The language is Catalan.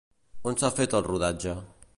On s'ha fet el rodatge?